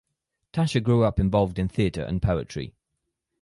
Tasha grew up involved in theater and poetry.